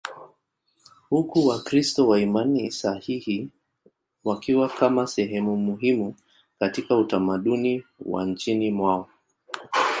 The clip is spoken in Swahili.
huku Wakristo wa imani sahihi wakiwa kama sehemu muhimu katika utamaduni wa nchini mwao.